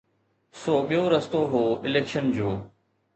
سو ٻيو رستو هو اليڪشن جو.